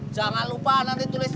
jangan lupa nanti tulis